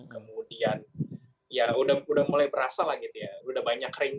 kemudian ya udah mulai berasa lah gitu ya